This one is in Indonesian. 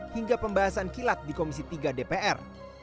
hingga pembahasan kilat di komisi tiga dpr